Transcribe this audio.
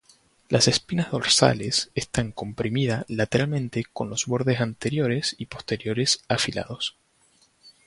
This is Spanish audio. Las espinas dorsales están comprimida lateralmente con los bordes anteriores y posteriores afilados.